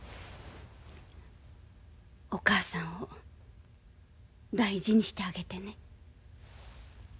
お母さんを大事にしてあげてね。